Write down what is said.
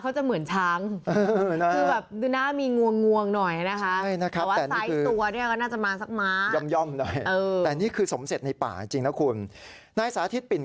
แน่ตาเขาจะเหมือนช้าง